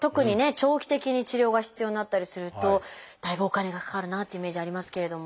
長期的に治療が必要になったりするとだいぶお金がかかるなっていうイメージありますけれども。